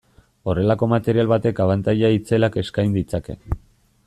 Horrelako material batek abantaila itzelak eskain ditzake.